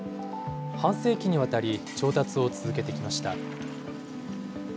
半世紀にわたり、調達を続けてきました。